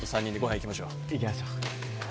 行きましょう。